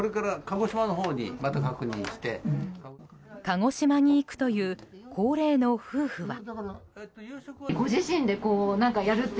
鹿児島に行くという高齢の夫婦は。